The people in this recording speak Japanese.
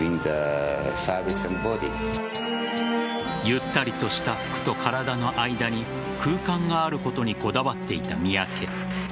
ゆったりとした服と体の間に空間があることにこだわっていた三宅。